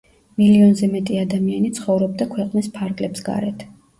მილიონზე მეტი ადამიანი ცხოვრობდა ქვეყნის ფარგლებს გარეთ.